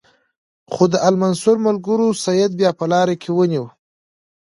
خو د المنصور ملګرو سید بیا په لاره کې ونیو.